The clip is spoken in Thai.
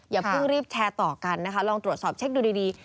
อย่าก็รีบแชร์ต่อกันลองตรวจสอบเช็คดูดี